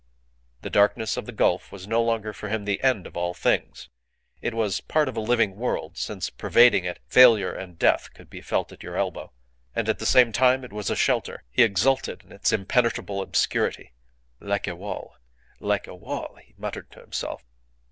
The darkness of the gulf was no longer for him the end of all things. It was part of a living world since, pervading it, failure and death could be felt at your elbow. And at the same time it was a shelter. He exulted in its impenetrable obscurity. "Like a wall, like a wall," he muttered to himself.